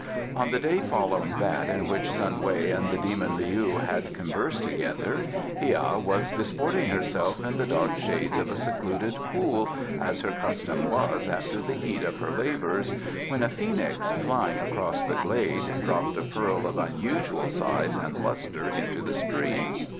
On the day following that in which Sun Wei and the demon Leou had conversed together, Hia was disporting herself in the dark shades of a secluded pool, as her custom was after the heat of her labours, when a phoenix, flying across the glade, dropped a pearl of unusual size and lustre into the stream.